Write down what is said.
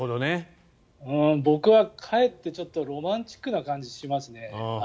僕はかえってロマンチックな感じがしますね。